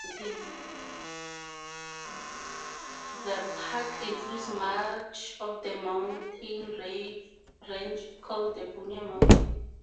The park includes much of the mountain range called the Bunya Mountains.